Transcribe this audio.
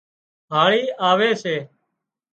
هاۯِي آوي سي